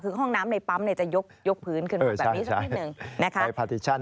คือห้องน้ำในปั๊มจะยกพื้นขึ้นมาแบบนี้สักนิดหนึ่งนะคะ